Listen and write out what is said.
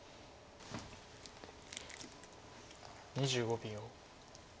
２５秒。